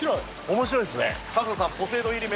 面白いですね。